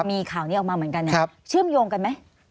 มีข่าวนี้ออกมาเหมือนกันเชื่อมโยงกันไหม